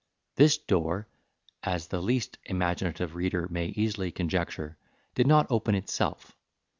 This door, as the least imaginative reader may easily conjecture, did not open itself.